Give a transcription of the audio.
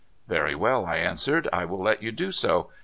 "Very w^ell," I answered; "I will let you do so.